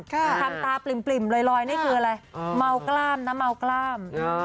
ทำตาปริ่มลอยนี่คืออะไรเมากล้ามนะเมากล้าม